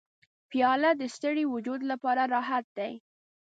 پیاله د ستړي وجود لپاره راحت دی.